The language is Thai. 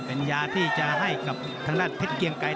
เป็นยาที่จะให้กับทรัฐเทศเกียงไกร